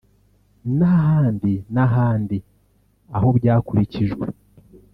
n’ahandi n’ahandi aho byakurikijwe